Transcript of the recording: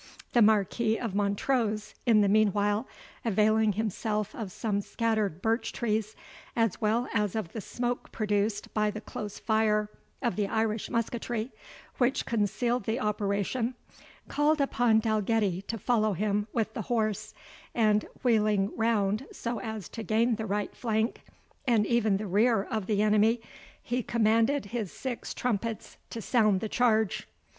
The Marquis of Montrose, in the meanwhile, availing himself of some scattered birch trees, as well as of the smoke produced by the close fire of the Irish musketry, which concealed the operation, called upon Dalgetty to follow him with the horse, and wheeling round so as to gain the right flank and even the rear of the enemy, he commanded his six trumpets to sound the charge.